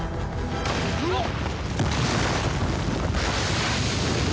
うわっ！